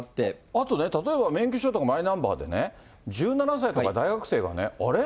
あとね、例えば免許証とかマイナンバーでね、１７歳とか、大学生がね、あれ？